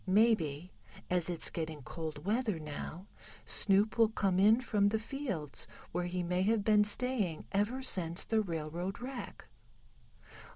Maybe, as it's getting cold weather now, Snoop will come in from the fields where he may have been staying ever since the railroad wreck."